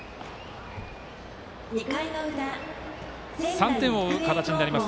３点を追う形になります